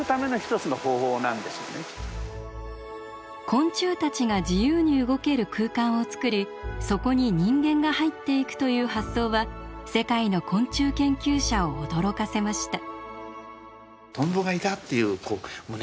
昆虫たちが自由に動ける空間をつくりそこに人間が入っていくという発想は世界の昆虫研究者を驚かせました。